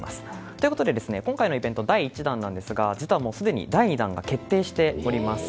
ということで今回のイベント第１弾ですが実はすでに第２弾が決定しております。